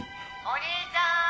お兄ちゃーん！